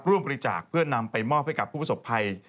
ร่วมบริจาคเพื่อนำไปมอบให้กับผู้ประสบภัย